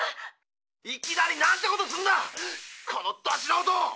いきなりなんてことすんだこのド素人！